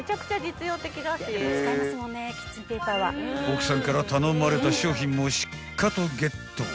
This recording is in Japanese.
［奥さんから頼まれた商品もしっかとゲット］